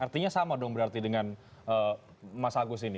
artinya sama dong berarti dengan mas agus ini